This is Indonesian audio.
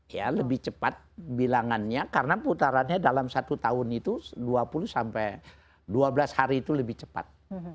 ya lebih cepat bilangannya karena putarannya dalam satu tahun itu dua puluh sampai dua belas hari itu lebih cepat